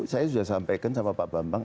saya sudah sampaikan sama pak bambang